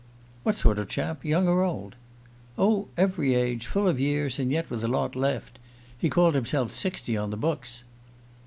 "What sort of chap? Young or old?" "Oh, every age full of years, and yet with a lot left. He called himself sixty on the books."